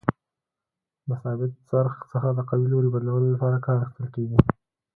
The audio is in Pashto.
د ثابت څرخ څخه د قوې لوري بدلولو لپاره کار اخیستل کیږي.